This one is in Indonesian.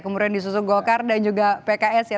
kemudian disusul golkar dan juga pks ya